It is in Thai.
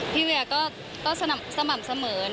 เวียก็สม่ำเสมอ